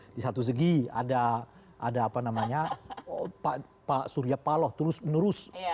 di satu segi ada pak surya paloh terus menerus